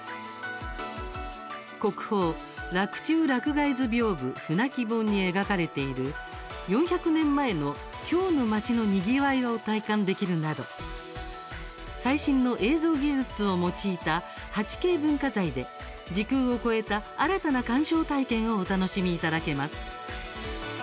国宝「洛中洛外図屏風」に描かれている４００年前の京の街のにぎわいを体感できるなど最新の映像技術を用いた８Ｋ文化財で時空を超えた新たな鑑賞体験をお楽しみいただけます。